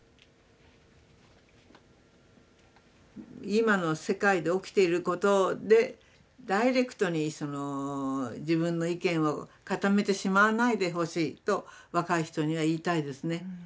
今の世界で起きていることでダイレクトに自分の意見を固めてしまわないでほしいと若い人には言いたいですね。